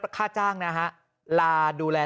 กรุงเทพฯมหานครทำไปแล้วนะครับ